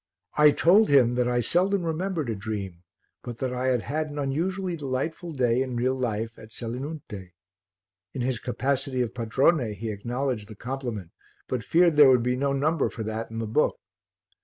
I told him that I seldom remembered a dream, but that I had had an unusually delightful day in real life at Selinunte. In his capacity of padrone he acknowledged the compliment, but feared there would be no number for that in the book.